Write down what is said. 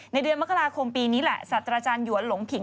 เดือนมกราคมปีนี้แหละสัตว์อาจารย์หวนหลงผิง